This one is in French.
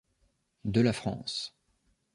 De la France.